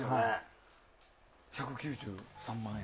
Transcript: １９３万円。